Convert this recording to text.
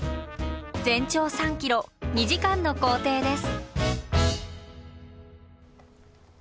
全長３ｋｍ２時間の行程です。